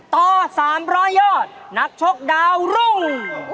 ต่อ๓๐๐ยอดนักชกดาวรุ่ง